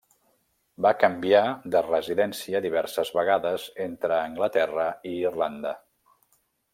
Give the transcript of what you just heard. Va canviar de residència diverses vegades entre Anglaterra i Irlanda.